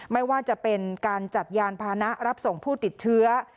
ไม่ว่าจะเป็นการจัดยานพานะรับส่งผู้ติดเชื้อ